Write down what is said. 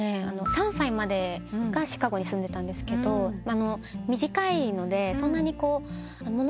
３歳までシカゴに住んでたんですけど短いのでそんなに物心付いてから。